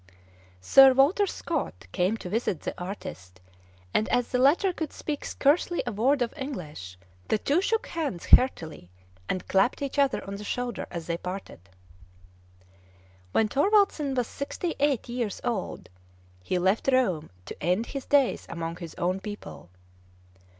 Sir Walter Scott came to visit the artist, and as the latter could speak scarcely a word of English, the two shook hands heartily, and clapped each other on the shoulder as they parted. When Thorwaldsen was sixty eight years old, he left Rome to end his days among his own people.